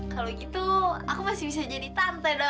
kalau gitu aku masih bisa jadi tante dan ayah